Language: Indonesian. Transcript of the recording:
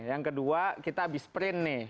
yang kedua kita habis sprint nih